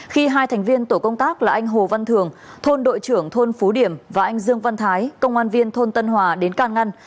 khi hai thành viên tổ công tác là anh hồ văn thường thôn đội trưởng thôn phú điểm và anh dương văn thái công an viên thôn tân hòa đến can ngăn